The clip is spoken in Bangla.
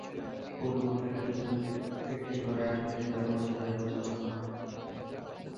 পৌর মার্কেটের পেছনের একটি ঘরে আটকে রেখে তাঁর ওপর নির্যাতন চালানো হয়।